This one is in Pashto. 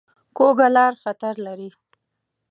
کوږه لاره خطر لري